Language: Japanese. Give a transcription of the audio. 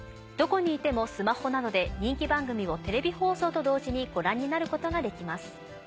どこにいてもスマホなどで人気番組をテレビ放送と同時にご覧になることができます。